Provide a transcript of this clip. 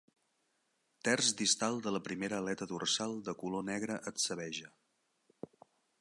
Terç distal de la primera aleta dorsal de color negre atzabeja.